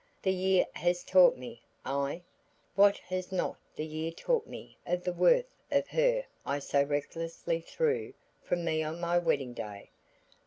The year has taught me ah, what has not the year taught me of the worth of her I so recklessly threw from me on my wedding day.